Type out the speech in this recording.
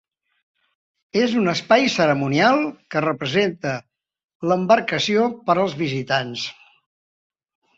És un espai cerimonial, que representa l'embarcació per als visitants.